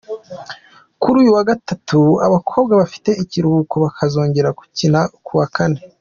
Kuri uyu wa gatatu, abakobwa bafite ikiruhuko bakazongera gukina ku wa kane.